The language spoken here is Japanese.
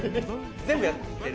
全部やってる。